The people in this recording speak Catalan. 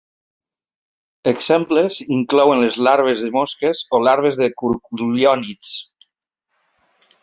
Exemples inclouen les larves de mosques o larves de curculiònids.